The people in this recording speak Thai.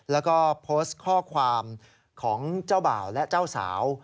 แล้วก็โพสต์ข้อความของเจ้าบ่าวและเจ้าสาว